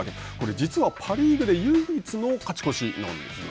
実はパ・リーグで唯一の勝ち越しなんですよね。